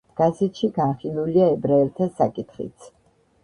გაზეთში განხილულია ებრაელთა საკითხიც.